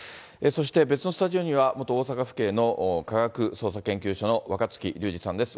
そして別のスタジオには、元大阪府警の科学捜査研究所の若槻龍児さんです。